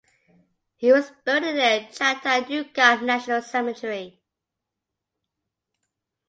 He was buried in the Chattanooga National Cemetery.